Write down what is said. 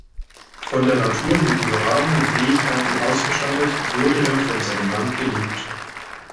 Von der Natur mit überragenden Fähigkeiten ausgestattet, wurde er von seinem Land geliebt.